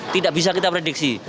tidak bisa kita prediksi